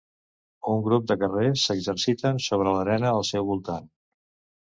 Un grup de guerrers s'exerciten sobre l'arena, al seu voltant.